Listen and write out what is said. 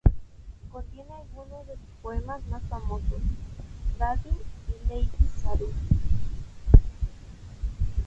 Contiene algunos de sus poemas más famosos, "Daddy" y "Lady Lazarus".